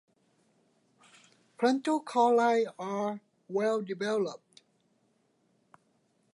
Frontal calli are well developed.